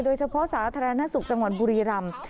โดยเฉพาะสาธารณสุขจังหวัดบุรีรำ